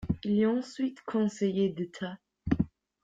Il est ensuite conseiller d'État.